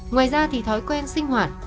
ngoài ra thì thói quen sinh hoạt